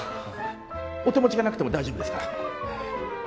お手持ちがなくても大丈夫ですから。